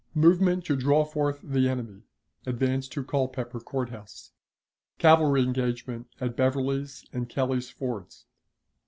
Movement to draw forth the Enemy. Advance to Culpeper Court House. Cavalry Engagement at Beverly's and Kelly's Fords.